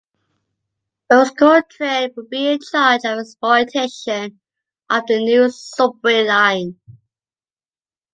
Euskotren will be in charge of the exploitation of the new Subway line.